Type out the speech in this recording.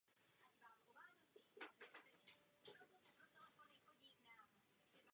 Tím se zabývá oblast matematiky zvaná topologie.